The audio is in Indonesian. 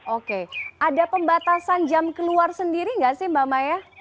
oke ada pembatasan jam keluar sendiri nggak sih mbak maya